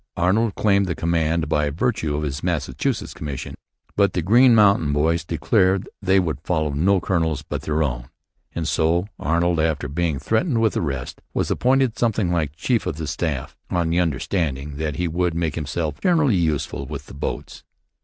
Arnold claimed the command by virtue of his Massachusetts commission. But the Green Mountain Boys declared they would follow no colonels but their own; and so Arnold, after being threatened with arrest, was appointed something like chief of the staff, on the understanding that he would make himself generally useful with the boats.